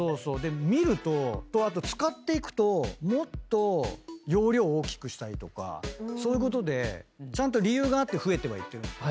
見るとあと使っていくともっと容量大きくしたいとかそういうことでちゃんと理由があって増えてはいってるんです。